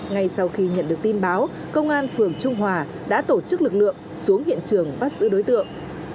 ngay sau khi nhận được tin báo công an phường trung hòa đã tổ chức lực lượng xuống hiện trường bắt giữ đối tượng